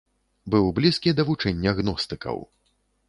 Быў блізкі да вучэння гностыкаў.